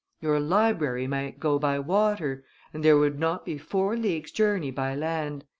Your library might go by water, and there would not be four leagues' journey by land.